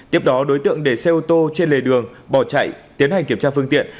tiếp đó đối tượng để xe ô tô trên lề đường bỏ chạy tiến hành kiểm tra phương tiện